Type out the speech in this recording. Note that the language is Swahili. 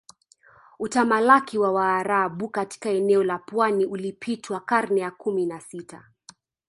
Utamalaki wa Waarabu katika eneo la pwani ulipitwa karne ya kumi na sita